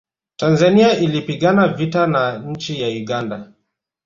tanzania ilipigana vita na nchi ya uganda